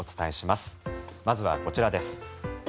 まずはこちらです。